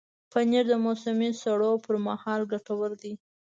پنېر د موسمي سړو پر مهال ګټور دی.